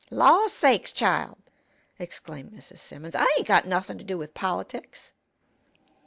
"Law sakes, child!" exclaimed Mrs. Simmons, "I ain't got nuthin' to do with politics."